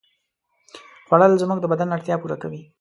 خوړل زموږ د بدن اړتیا پوره کوي